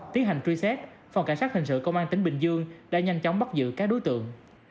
tiến hành truy xét phòng cảnh sát hình sự công an tỉnh bình dương đã nhanh chóng bắt giữ các đối tượng